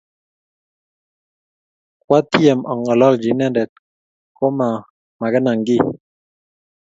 Kwa tyem ang'ololji inendet, ko maa makenan kiy